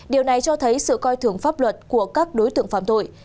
điều này cho thấy sự coi thường pháp luật của các đối tượng phạm tội